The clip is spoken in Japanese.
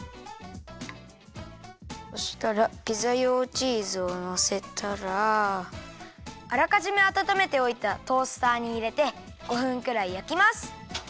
そしたらピザ用チーズをのせたらあらかじめあたためておいたトースターにいれて５分くらいやきます。